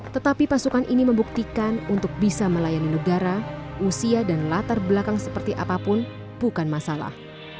tetapi pasukan ini membuktikan untuk bisa melayani negara usia dan latar belakang seperti apapun bukan masalah